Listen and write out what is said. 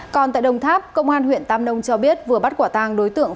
còn tại đồng tháp công an huyện tam nông cho biết vừa bắt quả tang